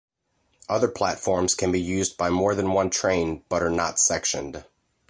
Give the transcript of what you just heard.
Other platforms can be used by more than one train, but are not sectioned.